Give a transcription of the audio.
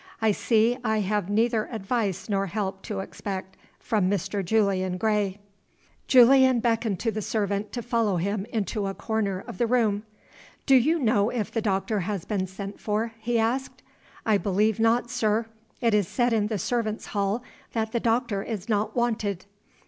"I see I have neither advice nor help to expect from Mr. Julian Gray." Julian beckoned to the servant to follow him into a corner of the room. "Do you know if the doctor has been sent for?" he asked. "I believe not, sir. It is said in the servants' hall that the doctor is not wanted."